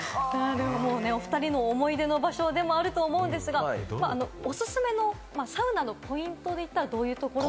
お２人の思い出の場所でもあると思うんですが、おすすめのサウナのポイントで言ったらどういうところ？